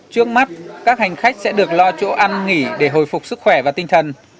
trước mắt các hành khách sẽ được lo chỗ ăn nghỉ để hồi phục sức khỏe và tinh thần